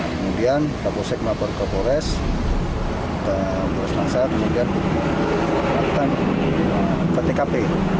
kemudian kosek melaporkan bores bores langsat kemudian ptkp